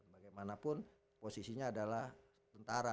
bagaimanapun posisinya adalah tentara